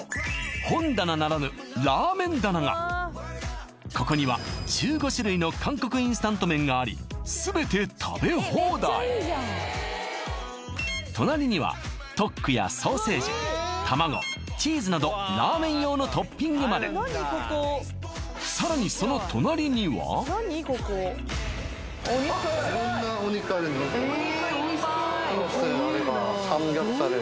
本棚ならぬここには１５種類の韓国インスタント麺があり全て食べ放題隣にはトックやソーセージ卵チーズなどラーメン用のトッピングまでさらにそのお肉色んなお肉あるえおいしそう肩ロースあればサムギョプサル